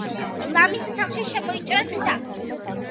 ლამის სახლში შემოიჭრას თუთა